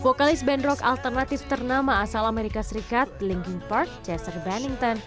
vokalis bandrock alternatif ternama asal amerika serikat linkin park chester bennington